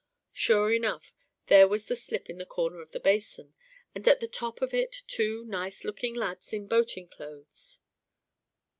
Sure enough there was the slip in the corner of the basin; and at the top of it two nice looking lads in boating clothes.